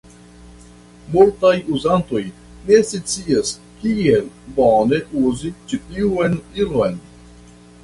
Multaj uzantoj ne scias kiel bone uzi ĉi tiun ilon.